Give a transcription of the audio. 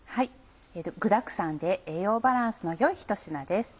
具だくさんで栄養バランスの良いひと品です。